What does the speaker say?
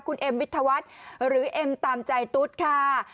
คุณเอ็มวิทยาวัฒน์หรือเอ็มตามใจตุ๊ดค่ะ